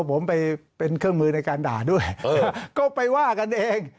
ผมไปเป็นเครื่องมือในการด่าด้วยก็ไปว่ากันเอง